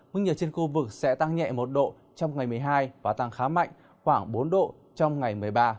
mức nhiệt trên khu vực sẽ tăng nhẹ một độ trong ngày một mươi hai và tăng khá mạnh khoảng bốn độ trong ngày một mươi ba